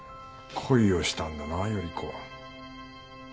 恋をしたんだな依子。